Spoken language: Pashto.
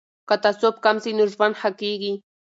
که تعصب کم سي نو ژوند ښه کیږي.